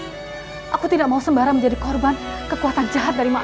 hai aku tidak mau sembara menjadi korban kekuatan jahat dari mampu